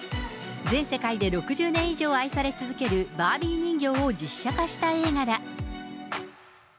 全世界で６０年以上愛され続けるバービー人形を実写化した映画だ。